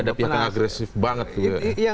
jadi ada pihak yang agresif banget tuh ya